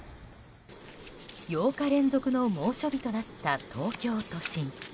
８日連続の猛暑日となった東京都心。